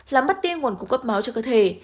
làm bắt đi nguồn cung cấp máu cho cơ thể